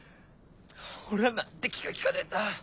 俺は何て気が利かねえんだ。